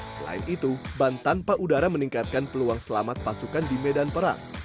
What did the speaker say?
selain itu ban tanpa udara meningkatkan peluang selamat pasukan di medan perang